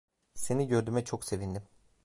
Seni gördüğüme çok sevindim.